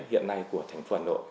hiện nay của thành phố hà nội